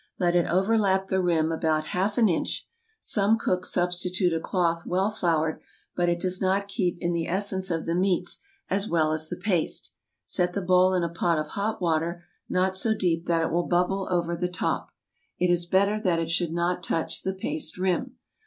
Let it overlap the rim about half an inch. Some cooks substitute a cloth well floured, but it does not keep in the essence of the meats as well as the paste. Set the bowl in a pot of hot water, not so deep that it will bubble over the top. It is better that it should not touch the paste rim.